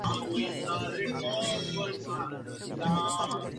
Expansión de manera considerable hacia Oriente medio y gran parte de Asia.